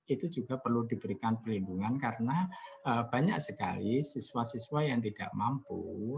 itu juga perlu diberikan perlindungan karena banyak sekali siswa siswa yang tidak mampu